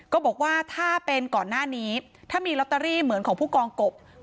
ก็บอกว่าถ้าเป็นก่อนหน้านี้ถ้ามีลอตเตอรี่เหมือนของผู้กองกบ